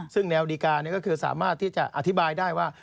ซึ่งแนวดีการก็คือสามารถที่จะอธิบายได้ว่า